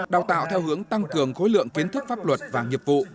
đào tạo theo hướng tăng cường khối lượng kiến thức pháp luật và nghiệp vụ